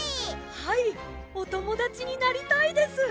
はいおともだちになりたいです。